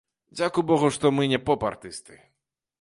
Дзякуй богу, што мы не поп-артысты.